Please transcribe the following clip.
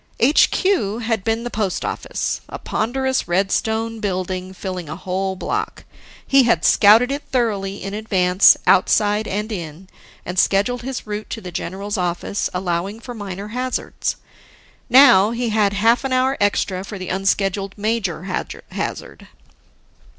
HQ had been the post office, a ponderous red stone building filling a whole block. He had scouted it thoroughly in advance, outside and in, and scheduled his route to the general's office, allowing for minor hazards. Now, he had half an hour extra for the unscheduled major hazard.